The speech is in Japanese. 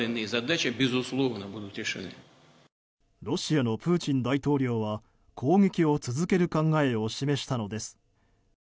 ロシアのプーチン大統領は攻撃を続ける考えを示したのです。